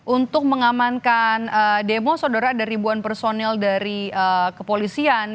untuk mengamankan demo saudara ada ribuan personil dari kepolisian